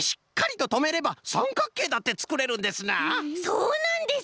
そうなんです！